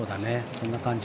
そんな感じ。